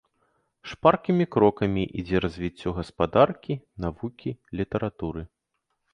Шпаркімі крокамі ідзе развіццё гаспадаркі, навукі, літаратуры.